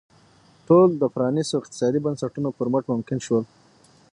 ټول د پرانیستو اقتصادي بنسټونو پر مټ ممکن شول.